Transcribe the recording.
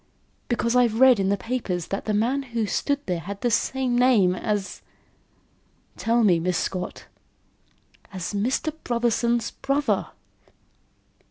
"Because I've read in the papers that the man who stood there had the same name as " "Tell me, Miss Scott." "As Mr. Brotherson's brother."